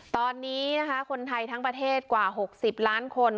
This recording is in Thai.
ตอนนี้นะคะคนไทยทั้งประเทศกว่า๖๐ล้านคน